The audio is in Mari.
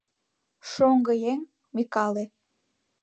Шоҥго еҥ Микале